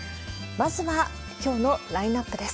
まずは、きょうのラインナップです。